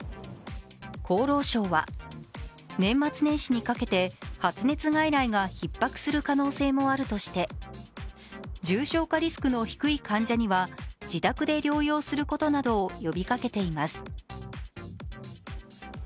厚労省は年末年始にかけて発熱外来がひっ迫する可能性もあるとして重症化リスクの低い患者には自宅で療養することなどを呼びかけています。